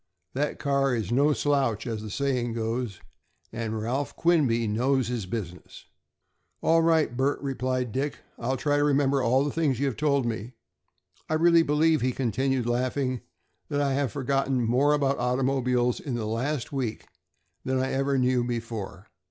That car is no slouch, as the saying goes, and Ralph Quinby knows his business." "All right, Bert," replied Dick, "I'll try to remember all the things you have told me. I really believe," he continued, laughing, "that I have forgotten more about automobiles in the last week than I ever knew before.